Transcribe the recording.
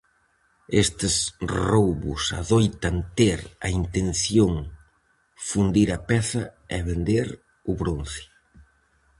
Estes roubos adoitan ter a intención fundir a peza e vender o bronce.